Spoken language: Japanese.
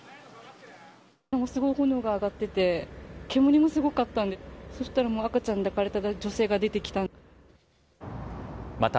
もうすごい炎が上がってて、煙もすごかったんで、そしたら、赤ちゃん抱かれた女性が出てきた。